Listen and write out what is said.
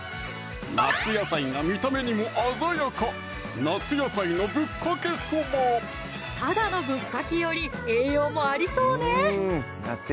夏野菜が見た目にも鮮やかただのぶっかけより栄養もありそうね